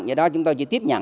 do đó chúng tôi chỉ tiếp nhận